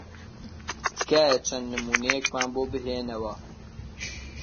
تکایە چەند نموونەیەکمان بۆ بهێننەوە.